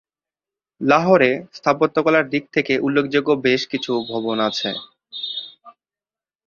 লাহোরে স্থাপত্যকলার দিক থেকে উল্লেখযোগ্য বেশ কিছু ভবন আছে।